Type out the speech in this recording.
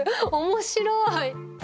面白い。